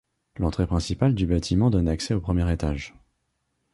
L'entrée principale du bâtiment donne accès au premier étage.